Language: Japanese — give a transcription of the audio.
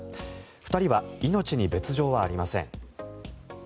２人は命に別条はありません。